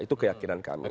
itu keyakinan kami